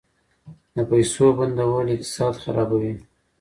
د پیسو بندول اقتصاد خرابوي.